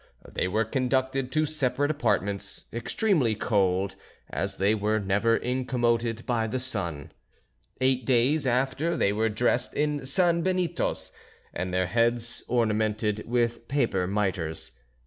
They were conducted to separate apartments, extremely cold, as they were never incommoded by the sun. Eight days after they were dressed in san benitos and their heads ornamented with paper mitres.